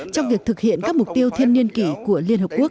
trong việc thực hiện các mục tiêu thiên niên kỷ của liên hợp quốc